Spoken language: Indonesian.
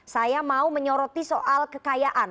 saya mau menyoroti soal kekayaan